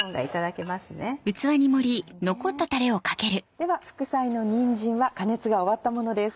では副菜のにんじんは加熱が終わったものです。